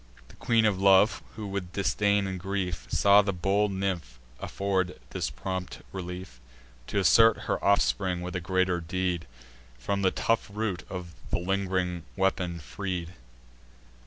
The Queen of Love, who, with disdain and grief, Saw the bold nymph afford this prompt relief, T' assert her offspring with a greater deed, From the tough root the ling'ring weapon freed.